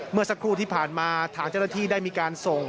เมื่อสักครู่ที่ผ่านมาทางเจ้าหน้าที่ได้มีการส่ง